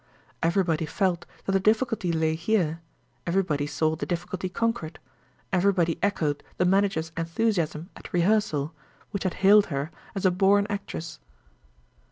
Everybody felt that the difficulty lay here—everybody saw the difficulty conquered—everybody echoed the manager's enthusiasm at rehearsal, which had hailed her as a born actress.